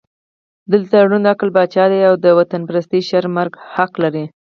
دلته ړوند عقل پاچا دی او د وطنپرستۍ شعر مرګ حق لري.